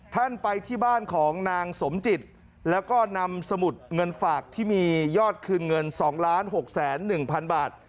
ท่านไปที่บ้านของนางสมจิตแล้วก็นำสมุดเงินฝากที่มียอดคืนเงินสองล้านหกแสนหนึ่งพันบาท